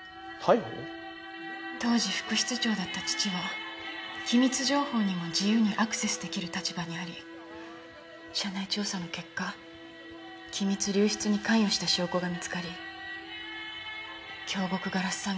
当時副室長だった父は機密情報にも自由にアクセスできる立場にあり社内調査の結果機密流出に関与した証拠が見つかり京極硝子